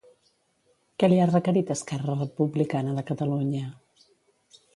Què li ha requerit Esquerra Republicana de Catalunya?